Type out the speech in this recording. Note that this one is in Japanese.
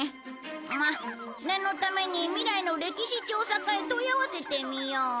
まあ念のために未来の歴史調査課へ問い合わせてみよう。